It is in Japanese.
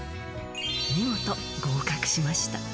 見事、合格しました。